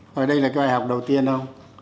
hồi đây là bài học đầu tiên không